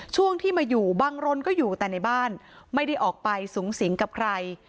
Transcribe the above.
ช่วงที่มาอยู่บังรนก็อยู่แต่ในบ้านไม่ได้ออกไปสูงสิงกับใคร